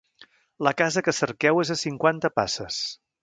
La casa que cerqueu és a cinquanta passes.